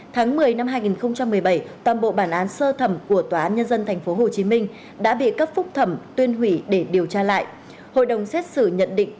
tháng một mươi năm hai nghìn một mươi bảy toàn bộ bản án sơ thẩm của tòa án nhân dân tp hcm đã bị cấp phúc thẩm tuyên hủy để điều tra lại